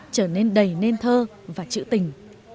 trở nên đầy nền thơ và trữ tình